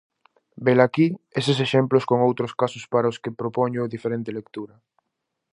Velaquí eses exemplos con outros casos para os que propoño diferente lectura.